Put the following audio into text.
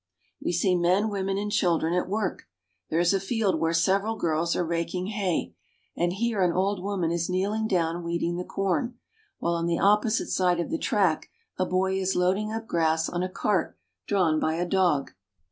We see men, women, and children at work. There is a field where several girls are raking hay, and here an old woman is kneeling down weeding the corn, while on the opposite side of the track a boy is loading up grass on a cart drawn by a dog.